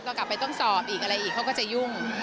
ก็กลับไปต้องสอบอีกอะไรอีกเขาก็จะยุ่ง